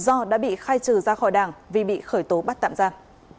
do đã bị khai trừ ra khỏi đảng vì bị khởi tố bắt tạm giam